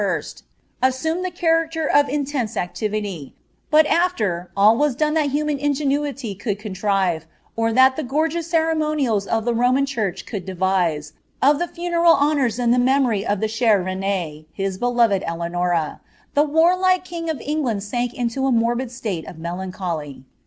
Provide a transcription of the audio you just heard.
1 Uie cliaracler nf intense activity ; but aftet all was done that hiiinu ingenuity roulU contrive^ or that the gorgeous ceremonials of tike Rotnu church could deTise, of funeral honours lo the memory of the ekht reine, his beloved Elcanora, the warlike king of England sank into ■ morbid state of mdiuicholy.